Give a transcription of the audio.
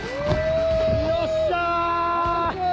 よっしゃ！